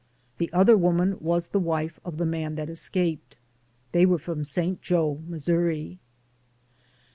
The other woman was the wife of the man that escaped. They were from St. Joe, Missouri.